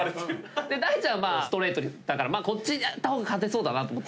大ちゃんはストレートだからこっちやった方が勝てそうだなと思って。